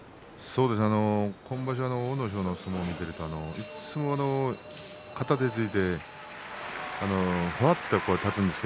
今場所、阿武咲の相撲を見ていると片手をついてふわっと立つんですね。